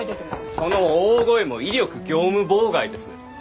その大声も威力業務妨害です。